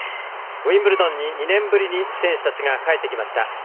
ウィンブルドンに２年ぶりに選手たちが帰ってきました。